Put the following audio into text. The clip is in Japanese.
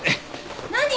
何？